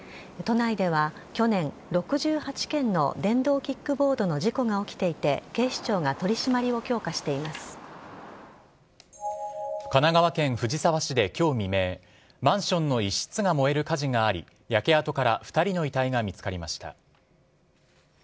都内では、去年６８件の電動キックボードの事故が起きていて警視庁が神奈川県藤沢市で今日未明マンションの一室が燃える火事があり焼け跡から２人の遺体が見つかりました。